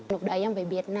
lúc đấy em phải biết